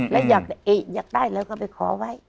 แล้วอยากได้แล้วก็ไปขอไว้